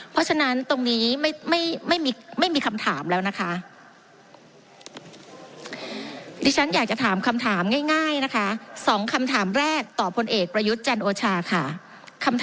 เพราะฉะนั้นตรงนี้ไม่ไม่ไม่มีไม่มีคำถามแล้วนะคะ